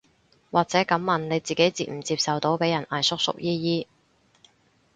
或者噉問，你自己接唔接受到被人嗌叔叔姨姨